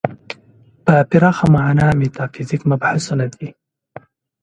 په پراخه معنا میتافیزیک مبحثونه دي.